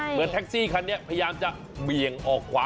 เหมือนแท็กซี่คันนี้พยายามจะเบี่ยงออกขวา